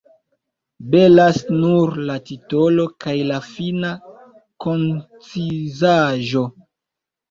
Belas nur la titolo kaj la fina koncizaĵo.